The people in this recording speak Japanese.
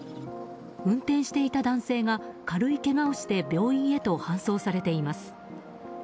運転していた男性が軽いけがをして病院へと搬送されています。